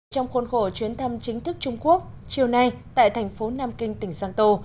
trong khuôn khổ chuyến thăm chính thức trung quốc chiều nay tại thành phố nam kinh tỉnh giang tô